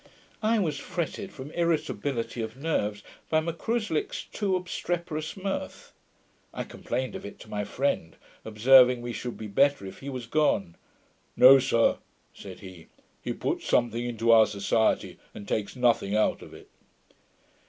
I was fretted, from irritability of nerves, by M'Cruslick's too obstreperous mirth. I complained of it to my friend, observing we should be better if he was gone. 'No, sir,' said he. 'He puts something into our society, and takes nothing out of it.'